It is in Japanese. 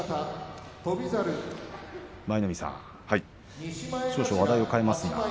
舞の海さん、話題を変えます。